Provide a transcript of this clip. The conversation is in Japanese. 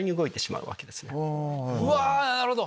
うわなるほど。